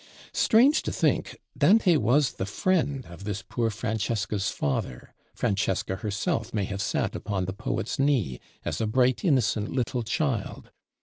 Strange to think: Dante was the friend of this poor Francesca's father; Francesca herself may have sat upon the Poet's knee, as a bright innocent little child.